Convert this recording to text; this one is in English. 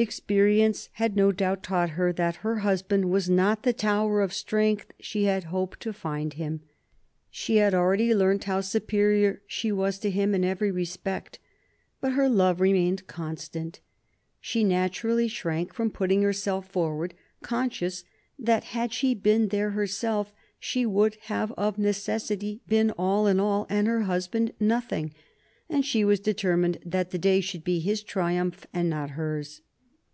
Experience had no doubt taught her that her husband was not the tower of strength she had hoped to find him. She had already learnt how superior she was to him in every respect. But her love remained constant. She naturally shrank from putting herself forward, conscious that had she been there her self, she would have of necessity been all in all and her husband nothing ; and she was determined that the day should be his triumph and not hers.